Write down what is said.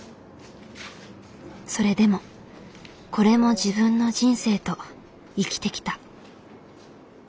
それでも「これも自分の人生」と生きてきた。